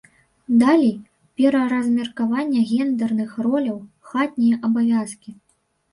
Далей, пераразмеркаванне гендэрных роляў, хатнія абавязкі.